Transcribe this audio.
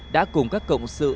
đã cùng các cộng sự